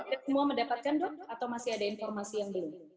tapi semua mendapatkan dok atau masih ada informasi yang belum